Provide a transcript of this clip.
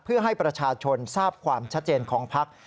เพื่อให้ประชาชนทราบความชัดเจนของพัก